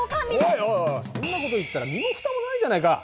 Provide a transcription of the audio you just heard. おいおいそんなこと言ったら身もふたもないじゃないか！